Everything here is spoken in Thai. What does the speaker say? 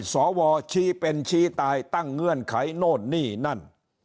สวชี้เป็นชี้ตายตั้งเงื่อนไขโน่นนี่นั่น